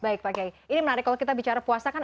baik pak kiai ini menarik kalau kita bicara puasa kan